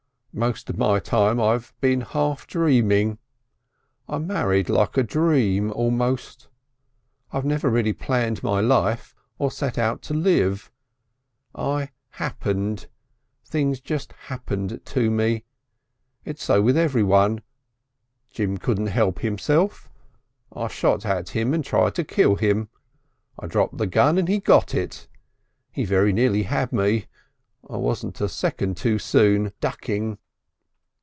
Most of my time I've been half dreaming. I married like a dream almost. I've never really planned my life or set out to live. I happened; things happened to me. It's so with everyone. Jim couldn't help himself. I shot at him and tried to kill him. I dropped the gun and he got it. He very nearly had me. I wasn't a second too soon ducking....